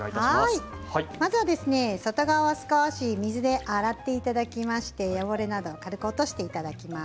まずは外側を少し水で洗っていただきまして汚れなどを軽く落としていただきます。